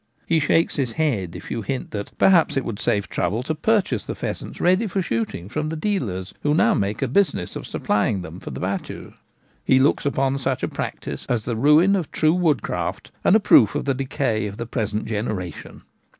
He shakes his head if you hint that perhaps it would save trouble to purchase the pheasants ready for shooting from the dealers who now make a business of supplying them for the battue. He looks upon such a practice as the ruin of all true Partridges' Eggs. 5 1 woodcraft, and a proof of the decay of the present generation.